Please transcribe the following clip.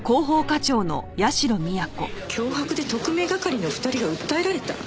脅迫で特命係の２人が訴えられた？